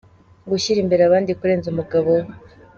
Gushyira imbere abandi kurenza umugabo we.